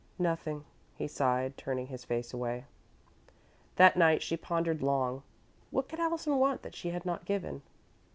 "Nothing," he sighed, turning his face away. That night she pondered long. What could Allison want that she had not given?